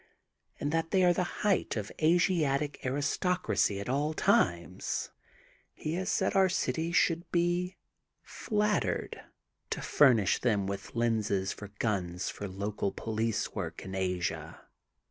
And that they are the height of Asiatic aristocracy at all times. He has said onr city should be flattered to furnish them with lenses for guns for local police work in Asia.